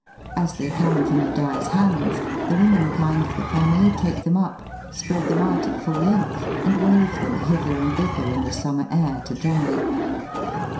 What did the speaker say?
As they come from the dyer's hands, the womenkind of the family take them up, spread them out at full length, and wave them hither and thither in the summer air to dry.